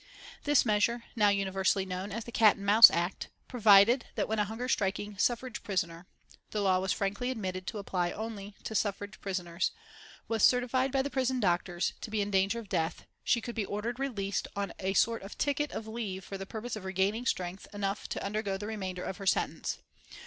This measure, now universally known as the "Cat and Mouse Act," provided that when a hunger striking suffrage prisoner (the law was frankly admitted to apply only to suffrage prisoners) was certified by the prison doctors to be in danger of death, she could be ordered released on a sort of a ticket of leave for the purpose of regaining strength enough to undergo the remainder of her sentence.